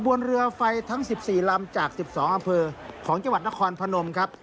บนเรือไฟทั้ง๑๔ลำจาก๑๒อำเภอของจังหวัดนครพนมครับ